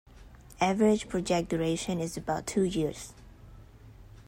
Average project duration is about two years.